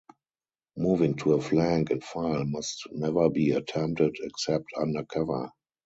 Moving to a flank in file must never be attempted except under cover.